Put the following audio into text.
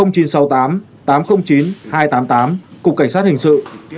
cục cảnh sát hình sự